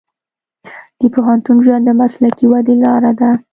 د پوهنتون ژوند د مسلکي ودې لار ده.